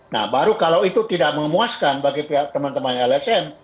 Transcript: nah baru kalau itu tidak memuaskan bagi pihak teman teman lsm